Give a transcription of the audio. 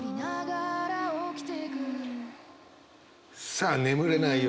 さあ眠れない夜。